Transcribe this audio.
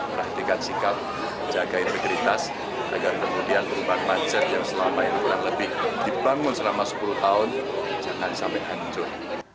perhatikan sikap jaga integritas agar kemudian perubahan macet yang selama ini kurang lebih dibangun selama sepuluh tahun jangan sampai hancur